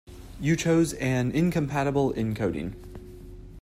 You chose an incompatible encoding.